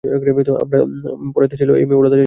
আর আমরা ওকে পড়াতে চাইলেও, এই মেয়ে পড়তে চাচ্ছে না, বাহ!